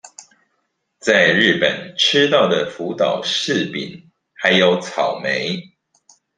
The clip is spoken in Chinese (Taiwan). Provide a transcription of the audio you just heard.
在日本吃到的福島柿餅還有草莓